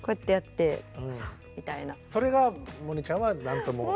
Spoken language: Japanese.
それが萌音ちゃんは何ともいいと。